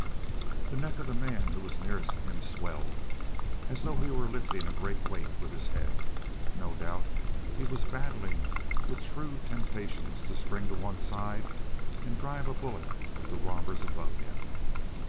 The neck of the man who was nearest to him swelled as though he were lifting a great weight with his head; no doubt he was battling with shrewd temptations to spring to one side and drive a bullet at the robbers above him.